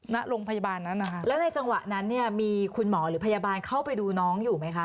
ณโรงพยาบาลนั้นนะคะแล้วในจังหวะนั้นเนี่ยมีคุณหมอหรือพยาบาลเข้าไปดูน้องอยู่ไหมคะ